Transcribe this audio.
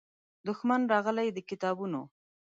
دښمن راغلی د کتابونو